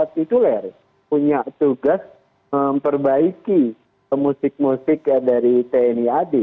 tituler punya tugas perbaiki musik musiknya dari tni ad dan